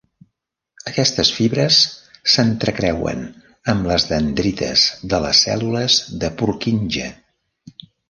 Aquestes fibres s'entrecreuen amb les dendrites de les cèl·lules de Purkinje.